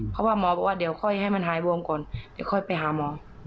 เพราะว่าหมอบอกว่าเดี๋ยวค่อยให้มันหายบวมก่อนเดี๋ยวค่อยไปหาหมอ